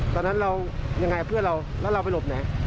ตอนนั้นเรายังไงเพื่อนเราแล้วเราไปหลบไหน